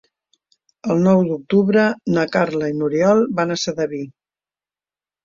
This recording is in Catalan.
El nou d'octubre na Carla i n'Oriol van a Sedaví.